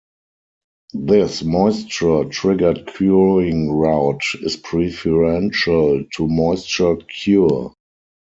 This moisture triggered curing route is preferential to moisture cure.